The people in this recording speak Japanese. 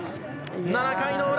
７回の裏。